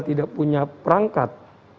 tidak punya perangkat